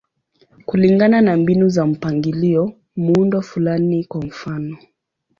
Kulingana na mbinu za mpangilio, muundo fulani, kwa mfano.